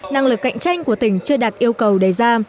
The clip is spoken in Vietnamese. năng lực cạnh tranh của tỉnh chưa đạt yêu cầu đề ra